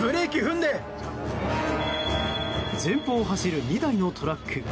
前方を走る２台のトラック。